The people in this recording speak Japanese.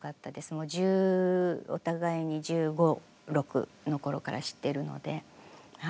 もうお互いに１５１６の頃から知ってるので。